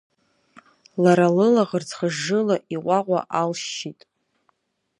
Лара, лылаӷырӡ хыжжыла, иҟәаҟәа алшьшьит.